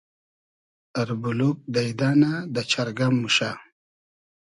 اربولوگ دݷدۂ نۂ , دۂ چئرگئم موشۂ